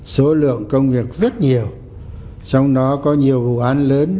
số lượng công việc rất nhiều trong đó có nhiều vụ án lớn